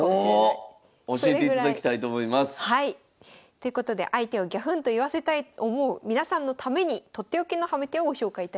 ということで相手をぎゃふんと言わせたいと思う皆さんのために取って置きのハメ手をご紹介いたしたいと思います。